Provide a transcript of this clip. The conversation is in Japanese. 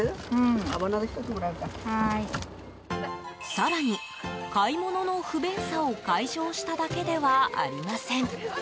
更に、買い物の不便さを解消しただけではありません。